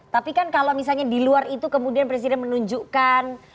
tapi kan kalau misalnya di luar itu kemudian presiden menunjukkan